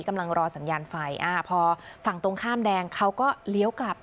กำลังรอสัญญาณไฟอ่าพอฝั่งตรงข้ามแดงเขาก็เลี้ยวกลับ